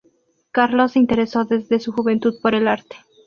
Carlos se interesó desde su juventud por el arte.